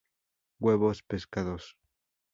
Huevos, pescados.